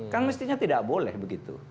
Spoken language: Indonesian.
kan mestinya tidak boleh begitu